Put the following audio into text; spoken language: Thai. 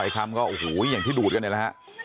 คอยคำก็โอ้โหอย่างที่ดูดกันเลยนะฮะ